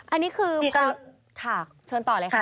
อันนี้คือชวนต่อเลยค่ะ